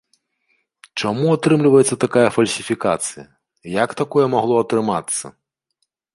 Чаму атрымліваецца такая фальсіфікацыя, як такое магло атрымацца?!